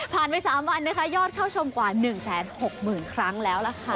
ผ่านไปสามวันนะคะยอดเข้าชมกว่าหนึ่งแสนหกหมื่นครั้งแล้วนะคะ